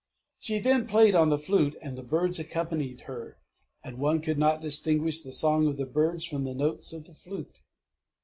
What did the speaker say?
She then played on the flute, and the Birds accompanied her, and one could not distinguish the song of the Birds from the notes of the flute.